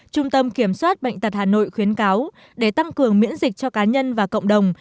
trung tâm kiểm soát bệnh tật hà nội khuyến cáo để tăng cường miễn dịch cho cá nhân và cộng đồng